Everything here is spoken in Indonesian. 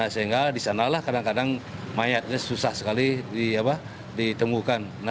sehingga di sanalah kadang kadang mayatnya susah sekali ditemukan